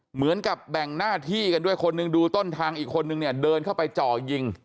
เหมือนกับแบ่งหน้าที่กันด้วยคนหนึ่งดูต้นทางอีกคนนึงเนี่ยเดินเข้าไปจ่อยิง